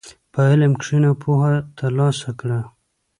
په علم کښېنه، پوهه ترلاسه کړه.